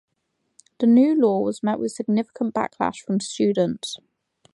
The new law was met with significant backlash from students.